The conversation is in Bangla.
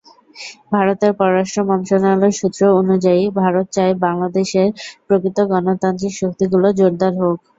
ভারতের পররাষ্ট্র মন্ত্রণালয় সূত্র অনুযায়ী, ভারত চায় বাংলাদেশের প্রকৃত গণতান্ত্রিক শক্তিগুলো জোরদার হোক।